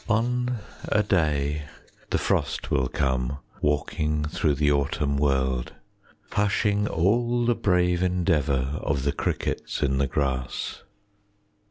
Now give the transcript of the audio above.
On a day the frost will come, 5 Walking through the autumn world, Hushing all the brave endeavour Of the crickets in the grass.